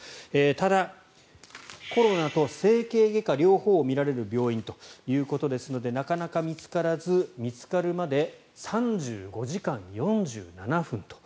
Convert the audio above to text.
ただ、コロナと整形外科の両方を診られる病院ということですのでなかなか見つからず見つかるまで３５時間４７分と。